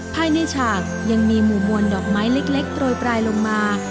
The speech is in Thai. ภายในฉากยังมีหมู่มวลดอกไม้เล็กโรยปลายลงมา